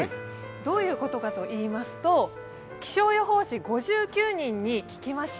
どういうことかといいますと、気象予報士５９人に聞きました。